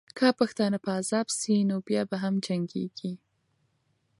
که پښتانه په عذاب سي، نو بیا هم جنګېږي.